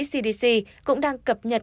cdc cũng đang cập nhật